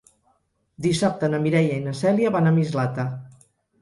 Dissabte na Mireia i na Cèlia van a Mislata.